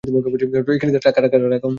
টাকা, টাকা, টাকা।